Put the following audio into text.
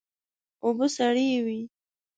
اوبه سړې وې.